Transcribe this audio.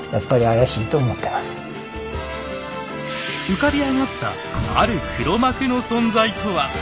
浮かび上がったある黒幕の存在とは？